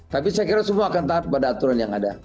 tapi saya kira semua akan taat pada aturan yang ada